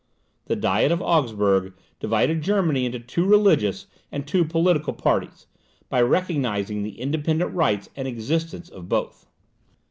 The diet of Augsburg divided Germany into two religious and two political parties, by recognizing the independent rights and existence of both.